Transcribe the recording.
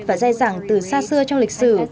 và dai dẳng từ xa xưa trong lịch sử